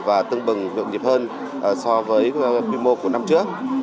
và tương bừng vượng nhịp hơn so với quy mô của năm trước